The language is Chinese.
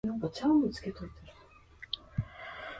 怎样纠正这种本本主义？只有向实际情况作调查。